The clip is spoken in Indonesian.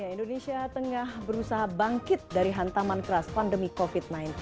indonesia tengah berusaha bangkit dari hantaman keras pandemi covid sembilan belas